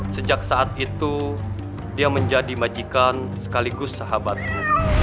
sejak saat itu dia menjadi majikan sekaligus sahabatku